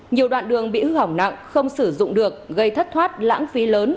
nhiều đoạn đường bị hư hỏng nặng không sử dụng được gây thất thoát lãng phí lớn